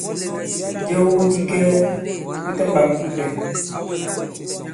Jɛ wu iwu di kɛɛ wu ta ɓak ipɛ.